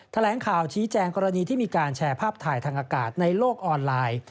แถลงข่าวชี้แจงกรณีที่มีการแชร์ภาพถ่ายทางอากาศในโลกออนไลน์